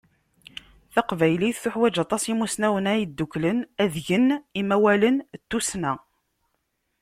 Taqbaylit teḥwaǧ aṭas imusnawen ara yedduklen ad gen imawalen n tussna.